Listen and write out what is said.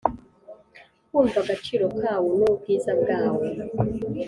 kumva agaciro kawo n ubwiza bwawo